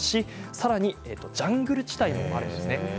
さらに、ジャングル地帯もあるんですね。